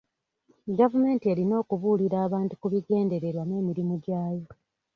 Gavumenti erina okubuulira abantu ku bigendererwa n'emirimu gyayo.